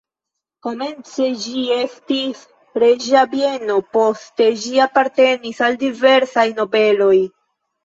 Komence ĝi estis reĝa bieno, poste ĝi apartenis al diversaj nobeloj.